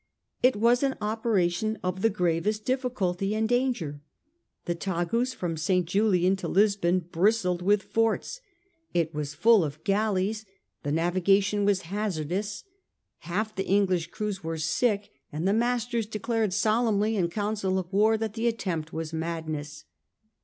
It was an operation of the gravest difficulty and danger. The Tagus from St Julian to Lisbon bristled with forts, it was full of galleys, the navigation was hazardous, half the English crews were sick, and the masters declared solemnly in council of war that the attempt was madness.